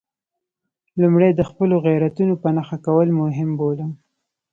لومړی د خپلو غیرتونو په نښه کول مهم بولم.